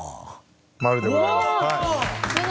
マルでございます。